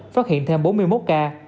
phát hiện thêm bốn mươi một ca